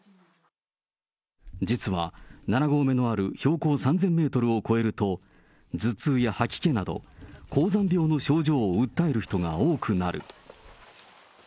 実は７合目のある標高３０００メートルを超えると、頭痛や吐き気など、高山病の症状を訴える人が多くなる。